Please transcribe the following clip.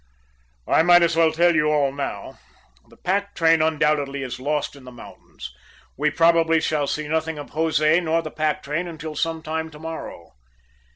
"I might as well tell you all now the pack train undoubtedly is lost in the mountains. We probably shall see nothing of Jose nor the pack train until some time to morrow."